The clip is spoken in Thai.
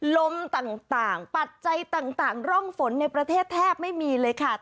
ลมต่างปัจจัยต่างร่องฝนในประเทศแทบไม่มีเลยค่ะ